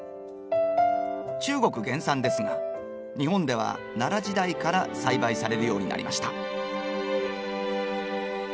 中国原産ですが日本では奈良時代から栽培されるようになりました。